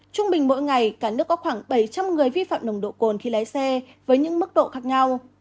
trung bình mỗi ngày cả nước có khoảng bảy trăm linh người vi phạm nồng độ cồn khi lái xe với những mức độ khác nhau